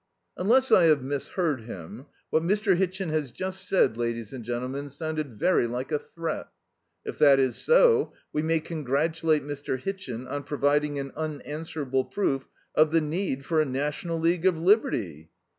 "Unless I have misheard him, what Mr. Hitchin has just said, ladies and gentlemen, sounded very like a threat. If that is so, we may congratulate Mr. Hitchin on providing an unanswerable proof of the need for a National League of Liberty."